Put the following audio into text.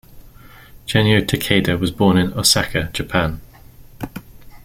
Genyo Takeda was born in Osaka, Japan.